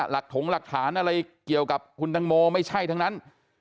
ถงหลักฐานอะไรเกี่ยวกับคุณตังโมไม่ใช่ทั้งนั้น